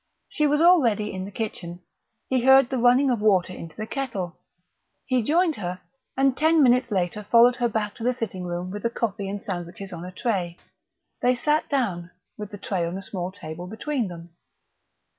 She was already in the kitchen; he heard the running of water into the kettle. He joined her, and ten minutes later followed her back to the sitting room with the coffee and sandwiches on a tray. They sat down, with the tray on a small table between them.